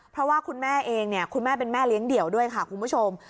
เพราะว่าคุณแม่เองเนี่ยคุณแม่เป็นแม่เลี้ยงเดี่ยวด้วยค่ะคุณผู้ชม